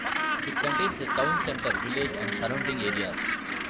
It contains the town center village and surrounding areas.